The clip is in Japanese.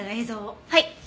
はい。